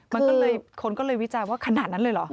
มันก็เลยคนก็เลยวิจารณ์ว่าขนาดนั้นเลยเหรอ